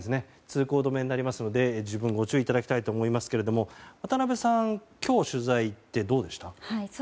通行止めになりますので十分、ご注意いただきたいと思いますけれども渡辺さんは今日取材に行ってどうでした？